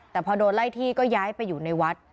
แต่พอโดนไล่ที่ก็ย้ายไปอยู่ในวัด